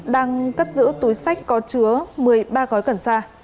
đang cất giữ túi sách có chứa một mươi ba gói cần sa